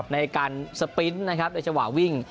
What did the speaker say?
ในการสปริ้นนะครับในเฉวาวิ่ง